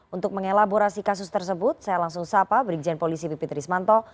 untuk mengelaborasi kasus tersebut saya langsung sapa brigjen polisi pipit rismanto